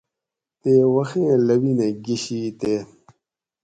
تے وخی لوینہ گۤشی تے